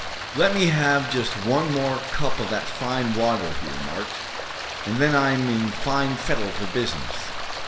"Let me have just one more cup of that fine water," he remarked, "and then I'm in fine fettle for business.